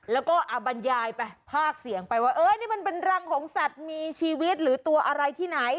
แล้วก็บรรยายไปภาคเสียงไปว่านี่มันเป็นรังของสัตว์มีชีวิตหรือตัวอะไรที่ไหน